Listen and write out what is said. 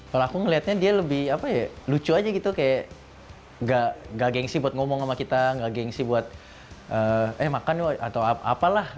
kalo aku ngeliatnya dia lebih apa ya lucu aja gitu kayak gak gengsi buat ngomong sama kita gak gengsi buat eh makan ya atau apalah